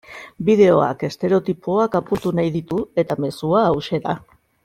Bideoak estereotipoak apurtu nahi ditu eta mezua hauxe da.